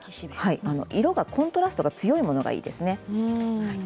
色が、コントラストが強いものがいいですね。